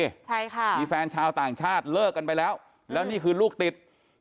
ใช่ค่ะมีแฟนชาวต่างชาติเลิกกันไปแล้วแล้วนี่คือลูกติด